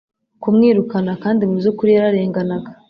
kumwirukana kandi mu byukuri yararenganaga